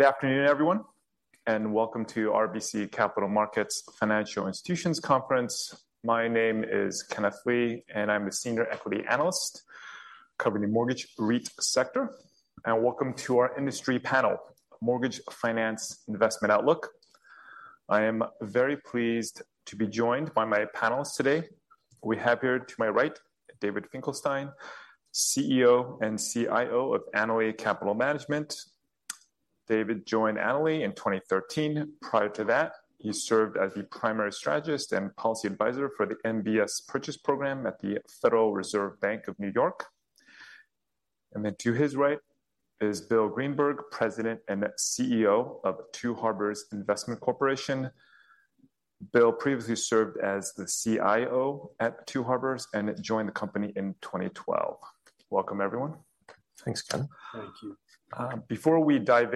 Good afternoon, everyone, and welcome to RBC Capital Markets Financial Institutions Conference. My name is Kenneth Lee, and I'm a Senior Equity Analyst covering the mortgage REIT sector. Welcome to our industry panel, Mortgage Finance Investment Outlook. I am very pleased to be joined by my panelists today. We have here to my right, David Finkelstein, CEO and CIO of Annaly Capital Management. David joined Annaly in 2013. Prior to that, he served as the Primary Strategist and Policy Advisor for the MBS Purchase Program at the Federal Reserve Bank of New York. Then to his right is Bill Greenberg, President and CEO of Two Harbors Investment Corporation. Bill previously served as the CIO at Two Harbors and joined the company in 2012. Welcome, everyone. Thanks, Ken. Thank you. Before we dive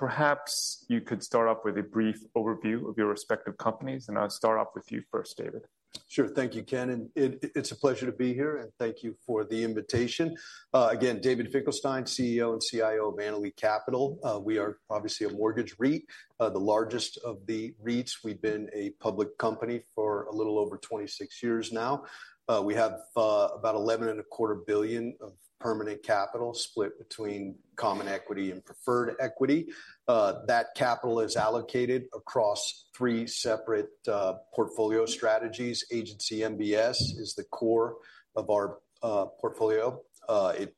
in, perhaps you could start off with a brief overview of your respective companies. I'll start off with you first, David. Sure. Thank you, Ken. And it's a pleasure to be here, and thank you for the invitation. Again, David Finkelstein, CEO and CIO of Annaly Capital. We are obviously a mortgage REIT, the largest of the REITs. We've been a public company for a little over 26 years now. We have about $11.25 billion of permanent capital split between common equity and preferred equity. That capital is allocated across three separate portfolio strategies. Agency MBS is the core of our portfolio. It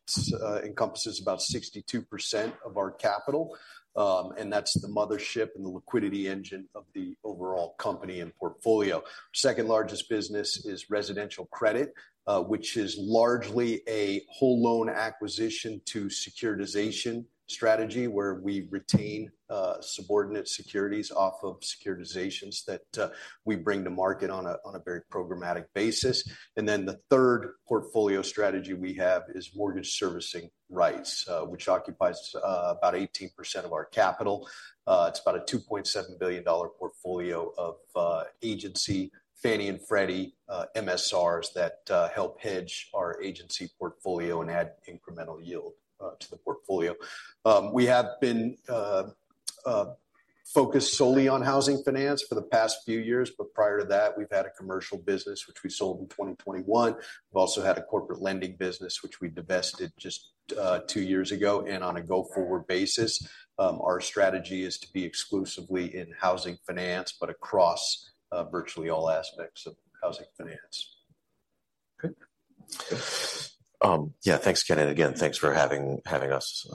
encompasses about 62% of our capital, and that's the mothership and the liquidity engine of the overall company and portfolio. Second largest business is residential credit, which is largely a whole loan acquisition to securitization strategy where we retain subordinate securities off of securitizations that we bring to market on a very programmatic basis. And then the third portfolio strategy we have is mortgage servicing rights, which occupies about 18% of our capital. It's about a $2.7 billion portfolio of agency Fannie and Freddie MSRs that help hedge our agency portfolio and add incremental yield to the portfolio. We have been focused solely on housing finance for the past few years. But prior to that, we've had a commercial business, which we sold in 2021. We've also had a corporate lending business, which we divested just two years ago. And on a go-forward basis, our strategy is to be exclusively in housing finance but across virtually all aspects of housing finance. Yeah, thanks, Ken. And again, thanks for having us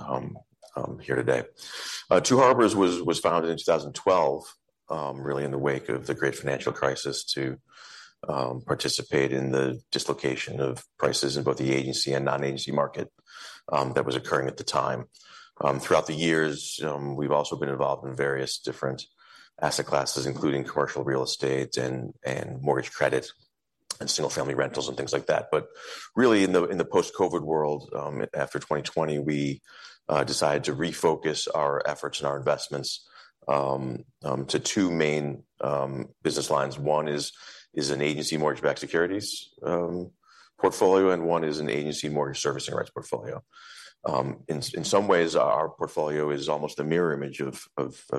here today. Two Harbors was founded in 2012, really in the wake of the Great Financial Crisis, to participate in the dislocation of prices in both the agency and non-agency market that was occurring at the time. Throughout the years, we've also been involved in various different asset classes, including commercial real estate and mortgage credit and single-family rentals and things like that. But really, in the post-COVID world, after 2020, we decided to refocus our efforts and our investments to two main business lines. One is an agency mortgage-backed securities portfolio, and one is an agency mortgage servicing rights portfolio. In some ways, our portfolio is almost a mirror image of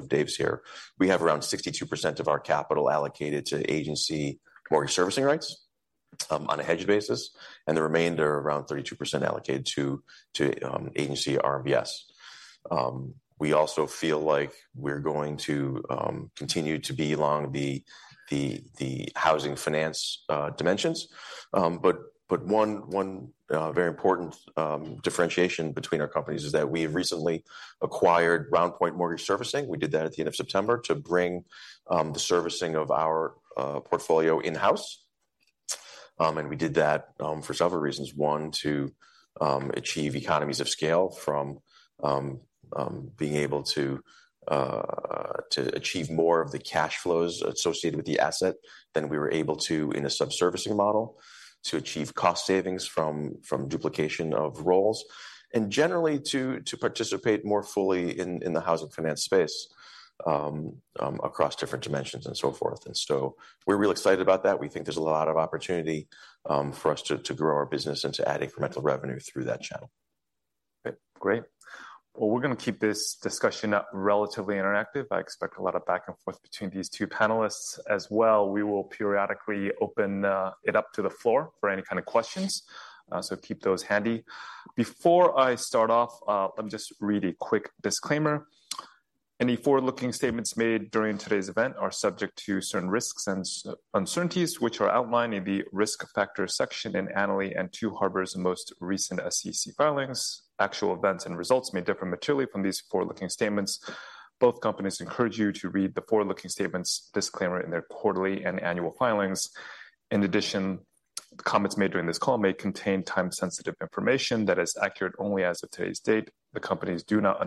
Dave's here. We have around 62% of our capital allocated to agency mortgage servicing rights on a hedged basis, and the remainder around 32% allocated to agency RMBS. We also feel like we're going to continue to be along the housing finance dimensions. But one very important differentiation between our companies is that we have recently acquired RoundPoint Mortgage Servicing. We did that at the end of September to bring the servicing of our portfolio in-house. And we did that for several reasons. One, to achieve economies of scale from being able to achieve more of the cash flows associated with the asset than we were able to in a subservicing model, to achieve cost savings from duplication of roles, and generally to participate more fully in the housing finance space across different dimensions and so forth. And so we're really excited about that. We think there's a lot of opportunity for us to grow our business and to add incremental revenue through that channel. Great. Well, we're going to keep this discussion relatively interactive. I expect a lot of back and forth between these two panelists as well. We will periodically open it up to the floor for any kind of questions, so keep those handy. Before I start off, let me just read a quick disclaimer. Any forward-looking statements made during today's event are subject to certain risks and uncertainties, which are outlined in the Risk Factors section in Annaly and Two Harbors' most recent SEC filings. Actual events and results may differ materially from these forward-looking statements. Both companies encourage you to read the forward-looking statements disclaimer in their quarterly and annual filings. In addition, comments made during this call may contain time-sensitive information that is accurate only as of today's date. The companies do not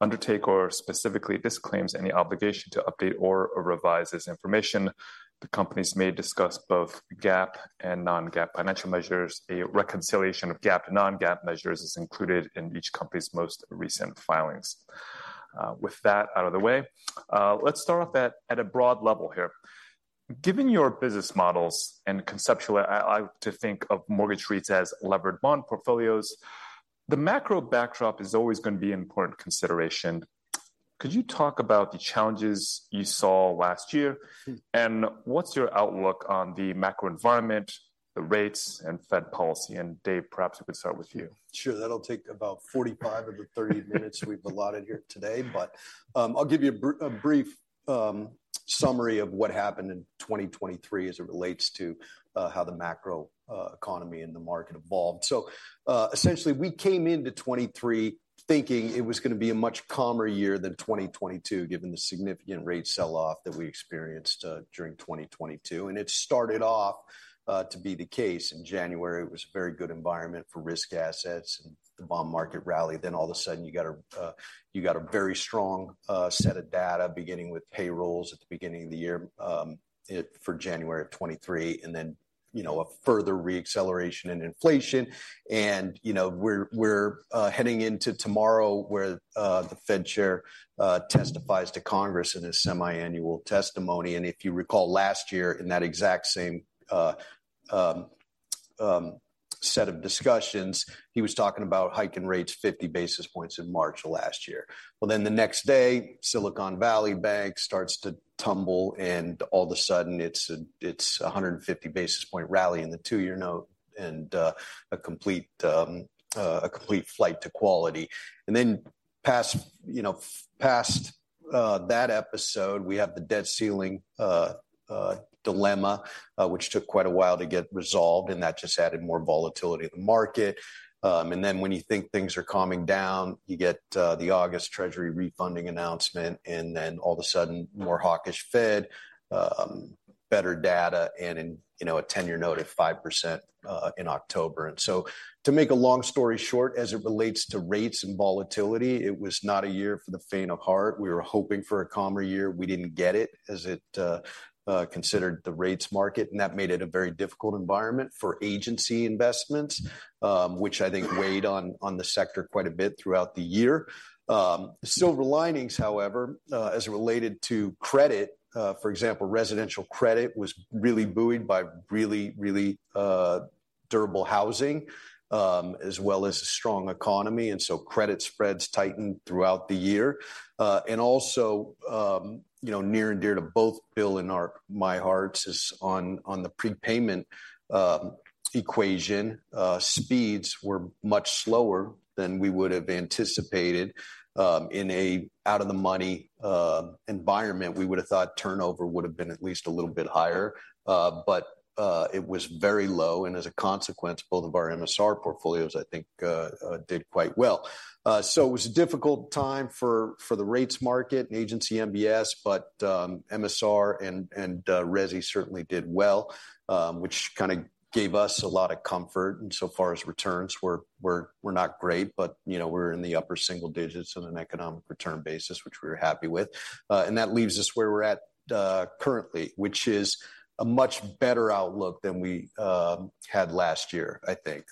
undertake or specifically disclaim any obligation to update or revise this information. The companies may discuss both GAAP and non-GAAP financial measures. A reconciliation of GAAP and non-GAAP measures is included in each company's most recent filings. With that out of the way, let's start off at a broad level here. Given your business models and conceptually, I like to think of mortgage REITs as leveraged bond portfolios. The macro backdrop is always going to be an important consideration. Could you talk about the challenges you saw last year, and what's your outlook on the macro environment, the rates, and Fed policy? And Dave, perhaps we could start with you. Sure. That'll take about 45 of the 30 minutes we've allotted here today. But I'll give you a brief summary of what happened in 2023 as it relates to how the macro economy and the market evolved. So essentially, we came into '23 thinking it was going to be a much calmer year than 2022, given the significant rate selloff that we experienced during 2022. And it started off to be the case. In January, it was a very good environment for risk assets and the bond market rally. Then all of a sudden, you got a very strong set of data, beginning with payrolls at the beginning of the year for January of 2023, and then a further reacceleration in inflation. And we're heading into tomorrow, where the Fed chair testifies to Congress in his semiannual testimony. And if you recall last year, in that exact same set of discussions, he was talking about hiking rates 50 basis points in March of last year. Well, then the next day, Silicon Valley Bank starts to tumble, and all of a sudden, it's a 150 basis point rally in the two-year note and a complete flight to quality. And then past that episode, we have the debt ceiling dilemma, which took quite a while to get resolved. And that just added more volatility to the market. And then when you think things are calming down, you get the August Treasury refunding announcement, and then all of a sudden, more hawkish Fed, better data, and a 10-year note at 5% in October. And so to make a long story short, as it relates to rates and volatility, it was not a year for the faint of heart. We were hoping for a calmer year. We didn't get it, as it concerned the rates market. That made it a very difficult environment for Agency investments, which I think weighed on the sector quite a bit throughout the year. Silver linings, however, as it related to credit, for example, Residential Credit was really buoyed by really, really durable housing as well as a strong economy. Credit spreads tightened throughout the year. Also, near and dear to both Bill and my hearts is on the prepayment equation, speeds were much slower than we would have anticipated. In an out-of-the-money environment, we would have thought turnover would have been at least a little bit higher. But it was very low. As a consequence, both of our MSR portfolios, I think, did quite well. It was a difficult time for the rates market and agency MBS. But MSR and resi certainly did well, which kind of gave us a lot of comfort. And so far as returns, we're not great. But we're in the upper single digits on an economic return basis, which we're happy with. And that leaves us where we're at currently, which is a much better outlook than we had last year, I think.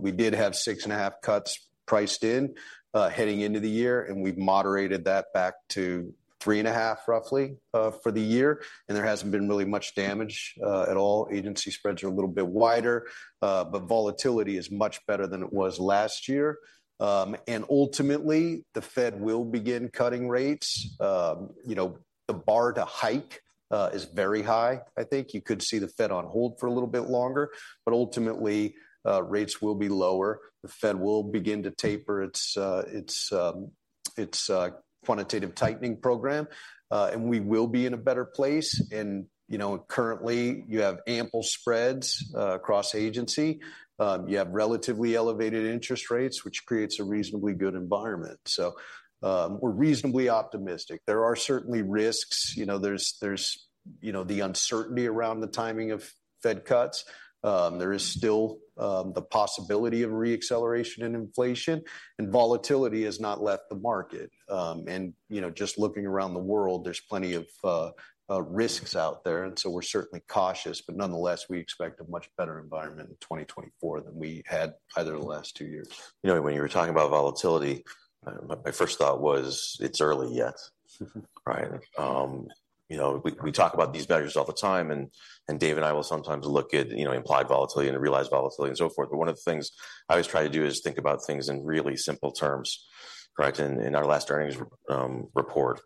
We did have 6.5 cuts priced in heading into the year. And we've moderated that back to 3.5, roughly, for the year. And there hasn't been really much damage at all. Agency spreads are a little bit wider. But volatility is much better than it was last year. And ultimately, the Fed will begin cutting rates. The bar to hike is very high, I think. You could see the Fed on hold for a little bit longer. But ultimately, rates will be lower. The Fed will begin to taper its quantitative tightening program. We will be in a better place. Currently, you have ample spreads across agency. You have relatively elevated interest rates, which creates a reasonably good environment. We're reasonably optimistic. There are certainly risks. There's the uncertainty around the timing of Fed cuts. There is still the possibility of reacceleration in inflation. Volatility has not left the market. Just looking around the world, there's plenty of risks out there. We're certainly cautious. But nonetheless, we expect a much better environment in 2024 than we had either of the last two years. When you were talking about volatility, my first thought was, it's early yet, right? We talk about these measures all the time. And Dave and I will sometimes look at implied volatility and realized volatility and so forth. But one of the things I always try to do is think about things in really simple terms, right? In our last earnings report,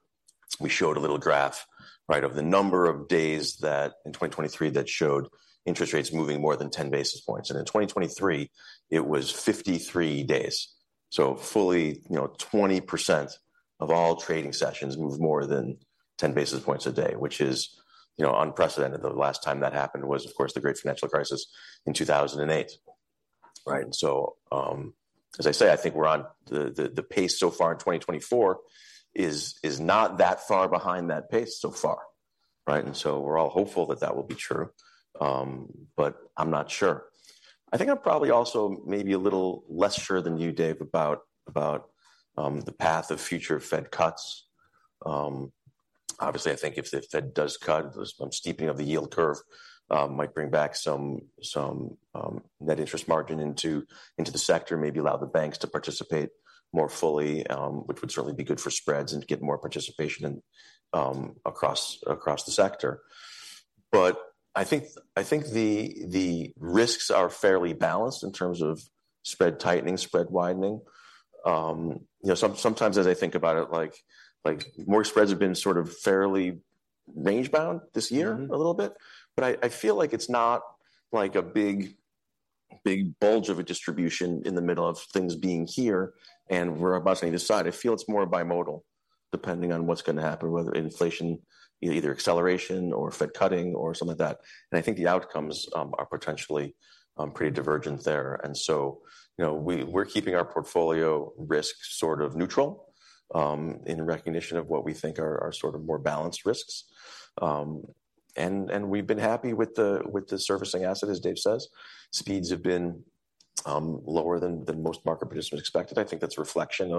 we showed a little graph of the number of days in 2023 that showed interest rates moving more than 10 basis points. And in 2023, it was 53 days. So fully, 20% of all trading sessions moved more than 10 basis points a day, which is unprecedented. The last time that happened was, of course, the Great Financial Crisis in 2008, right? And so as I say, I think we're on the pace so far in 2024 is not that far behind that pace so far, right? And so we're all hopeful that that will be true. But I'm not sure. I think I'm probably also maybe a little less sure than you, Dave, about the path of future Fed cuts. Obviously, I think if the Fed does cut, the steepening of the yield curve might bring back some net interest margin into the sector, maybe allow the banks to participate more fully, which would certainly be good for spreads and get more participation across the sector. But I think the risks are fairly balanced in terms of spread tightening, spread widening. Sometimes, as I think about it, more spreads have been sort of fairly range-bound this year a little bit. But I feel like it's not like a big bulge of a distribution in the middle of things being here, and we're about to take this side. I feel it's more bimodal, depending on what's going to happen, whether inflation, either acceleration or Fed cutting or something like that. And I think the outcomes are potentially pretty divergent there. And so we're keeping our portfolio risk sort of neutral in recognition of what we think are sort of more balanced risks. And we've been happy with the servicing asset, as Dave says. Speeds have been lower than most market participants expected. I think that's a reflection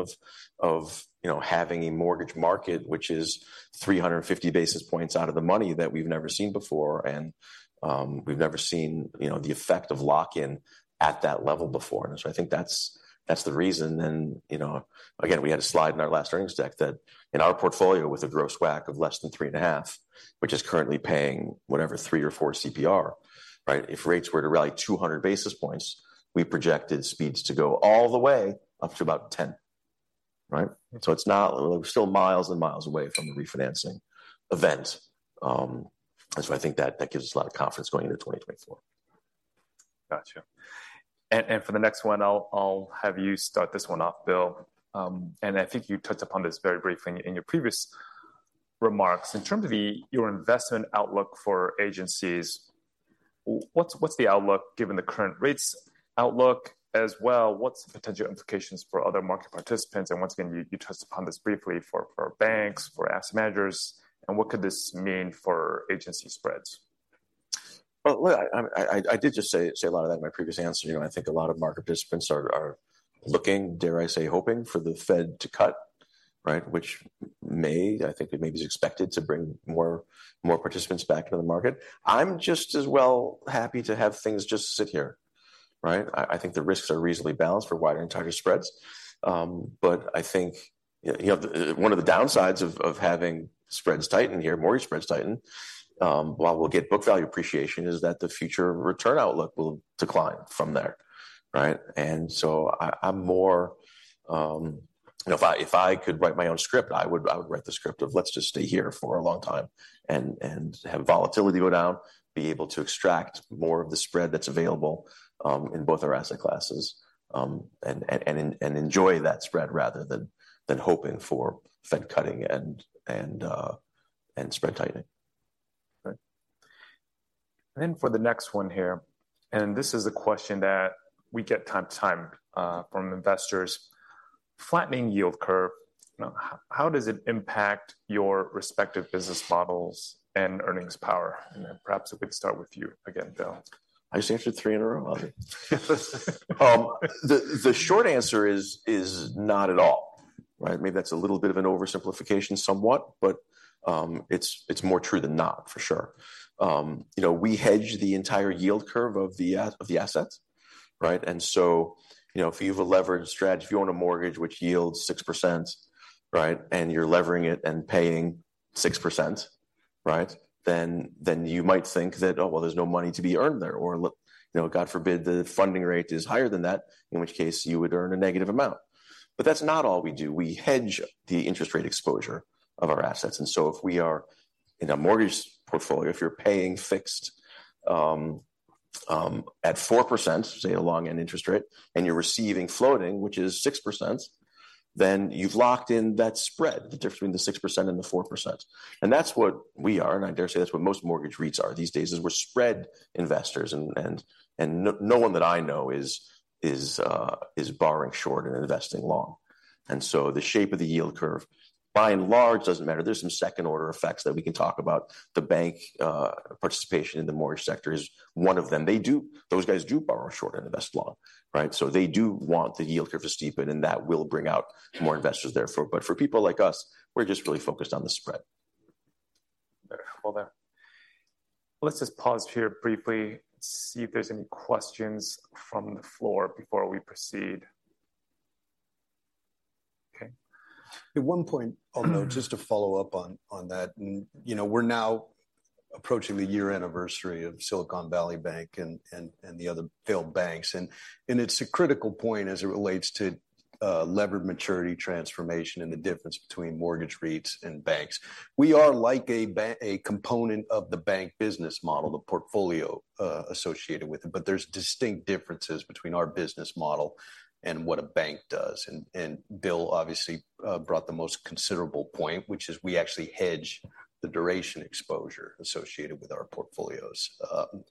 of having a mortgage market, which is 350 basis points out of the money that we've never seen before. And we've never seen the effect of lock-in at that level before. And so I think that's the reason. And again, we had a slide in our last earnings deck that in our portfolio, with a gross WAC of less than 3.5, which is currently paying whatever, 3 or 4 CPR, right? If rates were to rally 200 basis points, we projected speeds to go all the way up to about 10, right? So we're still miles and miles away from the refinancing event. And so I think that gives us a lot of confidence going into 2024. Gotcha. And for the next one, I'll have you start this one off, Bill. And I think you touched upon this very briefly in your previous remarks. In terms of your investment outlook for agencies, what's the outlook given the current rates outlook as well? What's the potential implications for other market participants? And once again, you touched upon this briefly for banks, for asset managers. And what could this mean for agency spreads? Well, look, I did just say a lot of that in my previous answer. I think a lot of market participants are looking, dare I say hoping, for the Fed to cut, right, which may, I think it may be expected to bring more participants back into the market. I'm just as well happy to have things just sit here, right? I think the risks are reasonably balanced for wider and tighter spreads. But I think one of the downsides of having spreads tightened here, mortgage spreads tightened, while we'll get book value appreciation, is that the future return outlook will decline from there, right? So if I could write my own script, I would write the script of, let's just stay here for a long time and have volatility go down, be able to extract more of the spread that's available in both our asset classes, and enjoy that spread rather than hoping for Fed cutting and spread tightening. And then for the next one here, and this is a question that we get from time to time from investors, flattening yield curve, how does it impact your respective business models and earnings power? And perhaps we could start with you again, Bill. I just answered three in a row. The short answer is not at all, right? Maybe that's a little bit of an oversimplification somewhat. But it's more true than not, for sure. We hedge the entire yield curve of the assets, right? And so if you have a leveraged strategy, if you own a mortgage which yields 6%, right, and you're levering it and paying 6%, right, then you might think that, oh, well, there's no money to be earned there. Or God forbid, the funding rate is higher than that, in which case you would earn a negative amount. But that's not all we do. We hedge the interest rate exposure of our assets. And so if we are in a mortgage portfolio, if you're paying fixed at 4%, say, a long-end interest rate, and you're receiving floating, which is 6%, then you've locked in that spread, the difference between the 6% and the 4%. And that's what we are. And I dare say that's what most mortgage REITs are these days, is we're spread investors. And no one that I know is borrowing short and investing long. And so the shape of the yield curve, by and large, doesn't matter. There's some second-order effects that we can talk about. The bank participation in the mortgage sector is one of them. Those guys do borrow short and invest long, right? So they do want the yield curve to steepen. And that will bring out more investors therefore. But for people like us, we're just really focused on the spread. Well done. Let's just pause here briefly and see if there's any questions from the floor before we proceed. At one point, I'll note, just to follow up on that, we're now approaching the one-year anniversary of Silicon Valley Bank and the other failed banks. It's a critical point as it relates to leveraged maturity transformation and the difference between mortgage REITs and banks. We are like a component of the bank business model, the portfolio associated with it. But there's distinct differences between our business model and what a bank does. And Bill obviously brought the most considerable point, which is we actually hedge the duration exposure associated with our portfolios.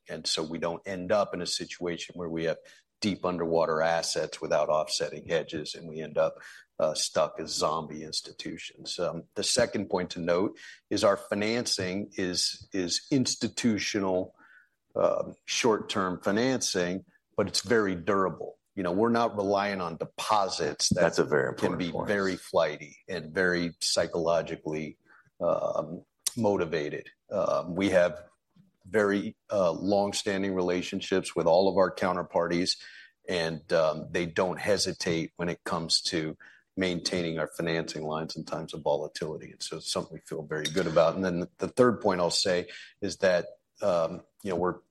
And so we don't end up in a situation where we have deep underwater assets without offsetting hedges. And we end up stuck as zombie institutions. The second point to note is our financing is institutional short-term financing. But it's very durable. We're not relying on deposits that can be very flighty and very psychologically motivated. We have very longstanding relationships with all of our counterparties. And they don't hesitate when it comes to maintaining our financing lines in times of volatility. And so it's something we feel very good about. And then the third point I'll say is that we're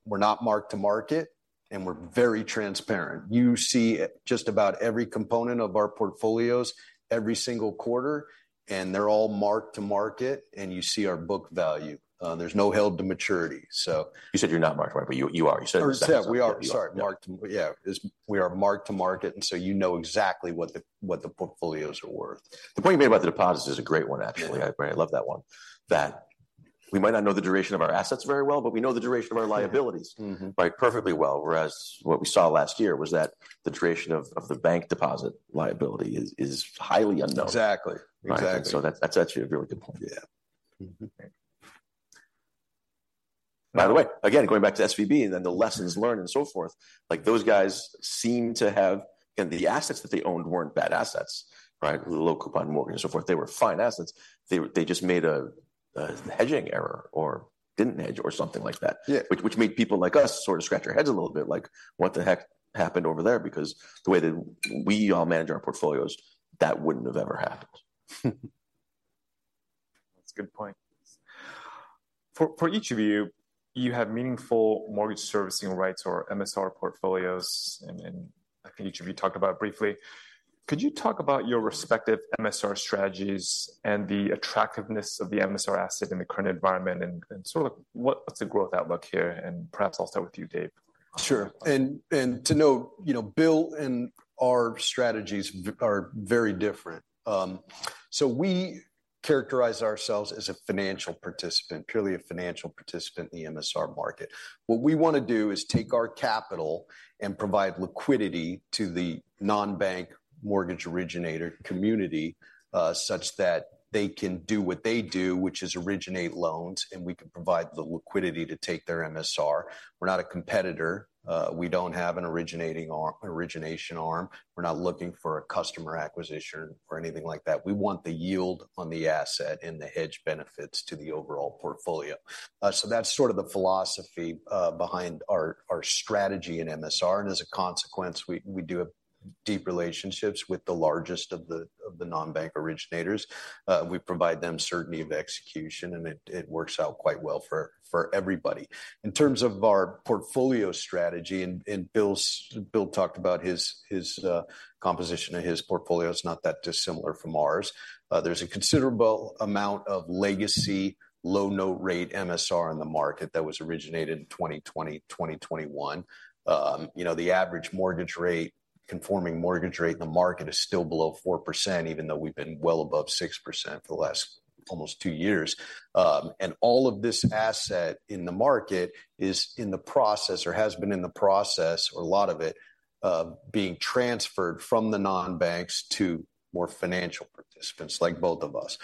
not marked to market. And we're very transparent. You see just about every component of our portfolios every single quarter. And they're all marked to market. And you see our book value. There's no held-to-maturity, so. You said you're not marked to market, but you are. You said that. We are. Sorry. Yeah, we are marked to market. So you know exactly what the portfolios are worth. The point you made about the deposits is a great one, actually, right? I love that one, that we might not know the duration of our assets very well. But we know the duration of our liabilities, right, perfectly well. Whereas what we saw last year was that the duration of the bank deposit liability is highly unknown. Exactly, exactly. That's actually a really good point. Yeah. By the way, again, going back to SVB and then the lessons learned and so forth, those guys seem to have the assets that they owned weren't bad assets, right, low coupon mortgage and so forth. They were fine assets. They just made a hedging error or didn't hedge or something like that, which made people like us sort of scratch our heads a little bit, like, what the heck happened over there? Because the way that we all manage our portfolios, that wouldn't have ever happened. That's a good point. For each of you, you have meaningful mortgage servicing rights or MSR portfolios. And I think each of you talked about it briefly. Could you talk about your respective MSR strategies and the attractiveness of the MSR asset in the current environment? And sort of what's the growth outlook here? And perhaps I'll start with you, Dave. Sure. And to note, Bill and our strategies are very different. So we characterize ourselves as a financial participant, purely a financial participant in the MSR market. What we want to do is take our capital and provide liquidity to the non-bank mortgage originator community such that they can do what they do, which is originate loans. And we can provide the liquidity to take their MSR. We're not a competitor. We don't have an origination arm. We're not looking for a customer acquisition or anything like that. We want the yield on the asset and the hedge benefits to the overall portfolio. So that's sort of the philosophy behind our strategy in MSR. And as a consequence, we do have deep relationships with the largest of the non-bank originators. We provide them certainty of execution. And it works out quite well for everybody. In terms of our portfolio strategy, and Bill talked about his composition of his portfolio, it's not that dissimilar from ours. There's a considerable amount of legacy low-note rate MSR in the market that was originated in 2020-2021. The average mortgage rate, conforming mortgage rate in the market, is still below 4%, even though we've been well above 6% for the last almost two years. All of this asset in the market is in the process or has been in the process, or a lot of it, being transferred from the non-banks to more financial participants like both of us.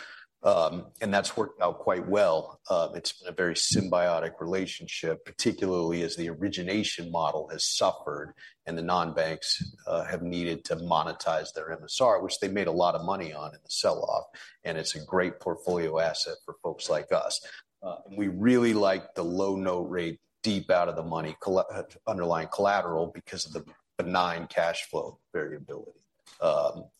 And that's worked out quite well. It's been a very symbiotic relationship, particularly as the origination model has suffered. And the non-banks have needed to monetize their MSR, which they made a lot of money on in the sell-off. It's a great portfolio asset for folks like us. We really like the low-note rate, deep out of the money underlying collateral because of the benign cash flow variability.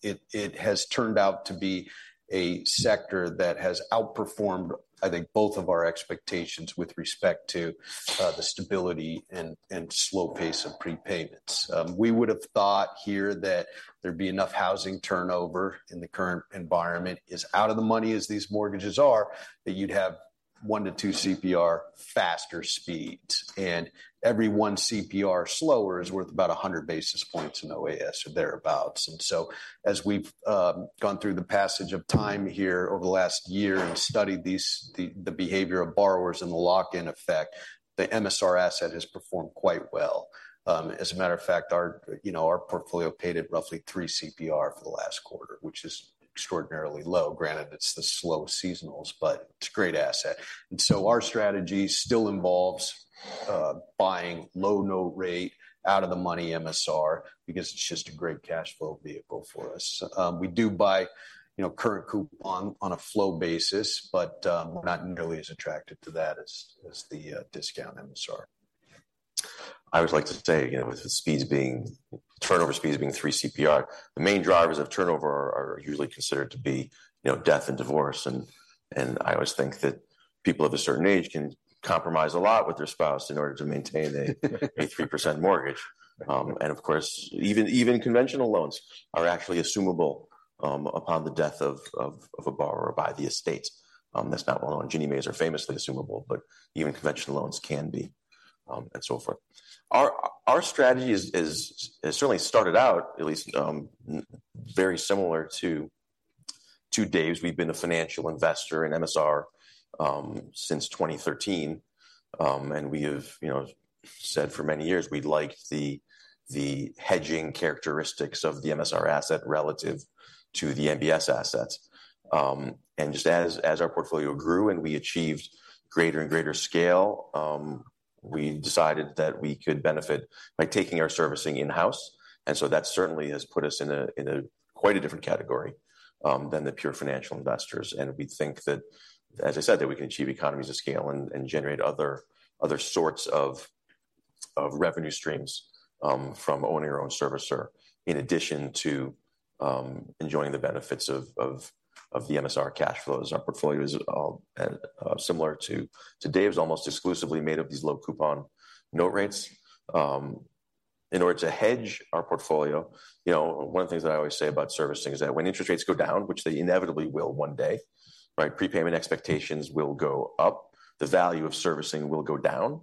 It has turned out to be a sector that has outperformed, I think, both of our expectations with respect to the stability and slow pace of prepayments. We would have thought here that there'd be enough housing turnover in the current environment, is out of the money as these mortgages are, that you'd have 1-2 CPR faster speeds. Every 1 CPR slower is worth about 100 basis points in OAS or thereabouts. So as we've gone through the passage of time here over the last year and studied the behavior of borrowers and the lock-in effect, the MSR asset has performed quite well. As a matter of fact, our portfolio paid it roughly 3 CPR for the last quarter, which is extraordinarily low. Granted, it's the slow seasonals. But it's a great asset. And so our strategy still involves buying low-note rate, out of the money MSR because it's just a great cash flow vehicle for us. We do buy current coupon on a flow basis. But we're not nearly as attracted to that as the discount MSR. I always like to say, again, with turnover speeds being 3 CPR, the main drivers of turnover are usually considered to be death and divorce. I always think that people of a certain age can compromise a lot with their spouse in order to maintain a 3% mortgage. Of course, even conventional loans are actually assumable upon the death of a borrower by the estate. That's not well known. Ginnie Maes are famously assumable. Even conventional loans can be and so forth. Our strategy has certainly started out, at least, very similar to Dave's. We've been a financial investor in MSR since 2013. We have said for many years, we'd like the hedging characteristics of the MSR asset relative to the MBS assets. And just as our portfolio grew and we achieved greater and greater scale, we decided that we could benefit by taking our servicing in-house. And so that certainly has put us in quite a different category than the pure financial investors. And we think that, as I said, that we can achieve economies of scale and generate other sorts of revenue streams from owning your own servicer in addition to enjoying the benefits of the MSR cash flows. Our portfolio is similar to Dave's, almost exclusively made of these low coupon note rates. In order to hedge our portfolio, one of the things that I always say about servicing is that when interest rates go down, which they inevitably will one day, right, prepayment expectations will go up. The value of servicing will go down.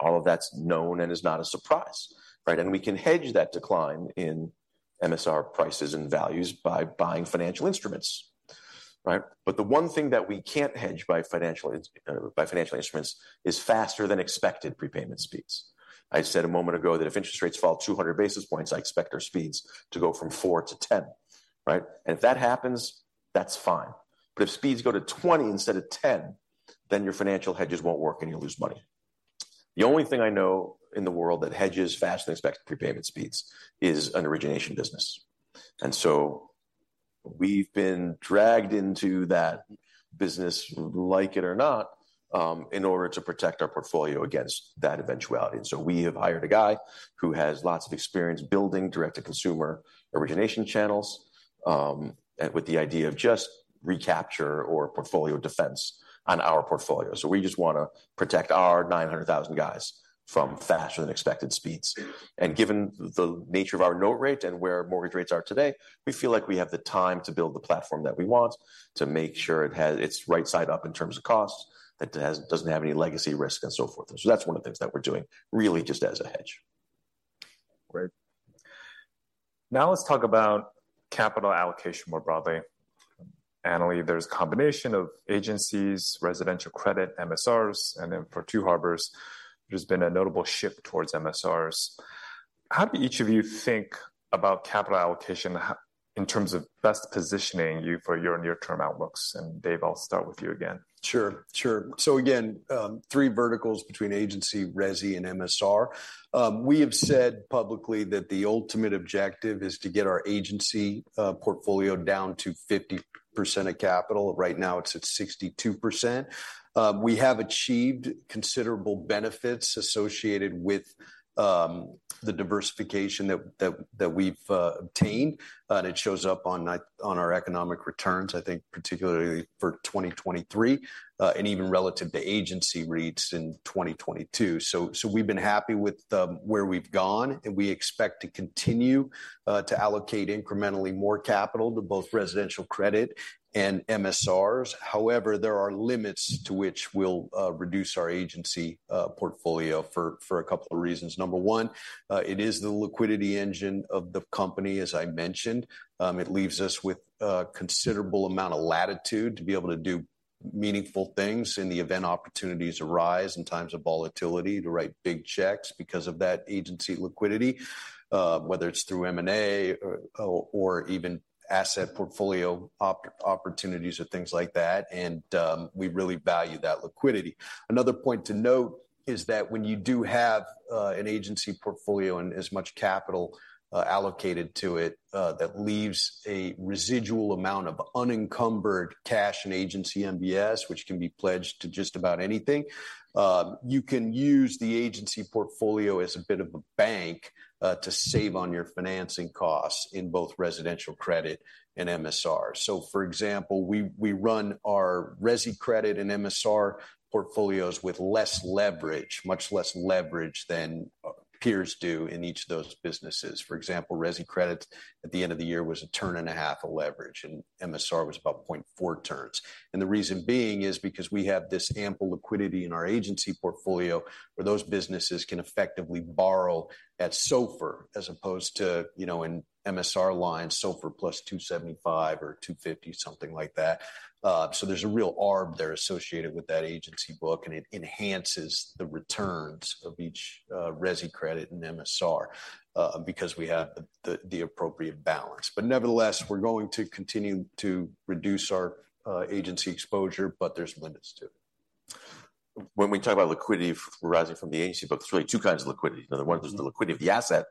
All of that's known and is not a surprise, right? We can hedge that decline in MSR prices and values by buying financial instruments, right? But the one thing that we can't hedge by financial instruments is faster than expected prepayment speeds. I said a moment ago that if interest rates fall 200 basis points, I expect our speeds to go from 4-10, right? And if that happens, that's fine. But if speeds go to 20 instead of 10, then your financial hedges won't work. And you'll lose money. The only thing I know in the world that hedges faster than expected prepayment speeds is an origination business. And so we've been dragged into that business, like it or not, in order to protect our portfolio against that eventuality. And so we have hired a guy who has lots of experience building direct-to-consumer origination channels with the idea of just recapture or portfolio defense on our portfolio. So we just want to protect our 900,000 guys from faster than expected speeds. And given the nature of our note rate and where mortgage rates are today, we feel like we have the time to build the platform that we want to make sure it's right side up in terms of costs, that it doesn't have any legacy risk, and so forth. And so that's one of the things that we're doing, really, just as a hedge. Great. Now let's talk about capital allocation more broadly. Annaly, there's a combination of agencies, residential credit, MSRs. For Two Harbors, there's been a notable shift towards MSRs. How do each of you think about capital allocation in terms of best positioning you for your near-term outlooks? Dave, I'll start with you again. Sure, sure. So again, three verticals between agency, resi, and MSR. We have said publicly that the ultimate objective is to get our agency portfolio down to 50% of capital. Right now, it's at 62%. We have achieved considerable benefits associated with the diversification that we've obtained. And it shows up on our economic returns, I think, particularly for 2023 and even relative to agency REITs in 2022. So we've been happy with where we've gone. And we expect to continue to allocate incrementally more capital to both residential credit and MSRs. However, there are limits to which we'll reduce our agency portfolio for a couple of reasons. Number one, it is the liquidity engine of the company, as I mentioned. It leaves us with a considerable amount of latitude to be able to do meaningful things in the event opportunities arise in times of volatility to write big checks because of that Agency liquidity, whether it's through M&A or even asset portfolio opportunities or things like that. We really value that liquidity. Another point to note is that when you do have an Agency portfolio and as much capital allocated to it that leaves a residual amount of unencumbered cash in agency MBS, which can be pledged to just about anything, you can use the Agency portfolio as a bit of a bank to save on your financing costs in both Residential Credit and MSR. So for example, we run our resi credit and MSR portfolios with less leverage, much less leverage than peers do in each of those businesses. For example, resi credit at the end of the year was 1.5 turns of leverage. MSR was about 0.4 turns. The reason being is because we have this ample liquidity in our agency portfolio where those businesses can effectively borrow at SOFR as opposed to, in MSR lines, SOFR +275 or 250, something like that. So there's a real arb there associated with that agency book. And it enhances the returns of each resi credit and MSR because we have the appropriate balance. But nevertheless, we're going to continue to reduce our agency exposure. But there's limits to it. When we talk about liquidity arising from the agency book, there's really two kinds of liquidity. The other one is the liquidity of the asset,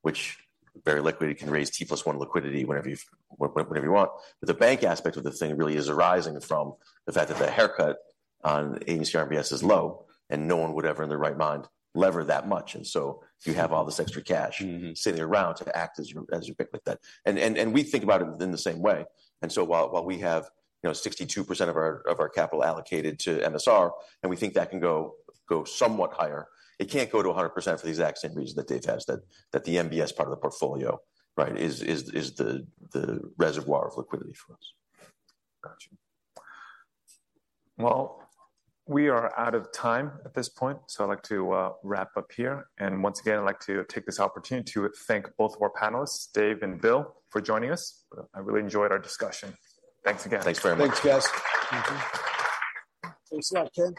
which very likely can raise T+1 liquidity whenever you want. But the bank aspect of the thing really is arising from the fact that the haircut on agency RMBS is low. No one would ever, in their right mind, leverage that much. So you have all this extra cash sitting around to act as your bank like that. We think about it in the same way. So while we have 62% of our capital allocated to MSR, and we think that can go somewhat higher, it can't go to 100% for the exact same reason that Dave has, that the MBS part of the portfolio, right, is the reservoir of liquidity for us. Gotcha. Well, we are out of time at this point. So I'd like to wrap up here. And once again, I'd like to take this opportunity to thank both of our panelists, Dave and Bill, for joining us. I really enjoyed our discussion. Thanks again. Thanks very much. Thanks, guys. Thanks a lot, Ken.